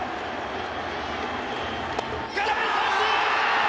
空振り三振！